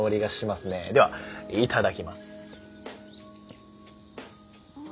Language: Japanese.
ではいただきます。